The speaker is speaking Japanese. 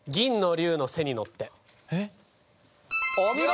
お見事！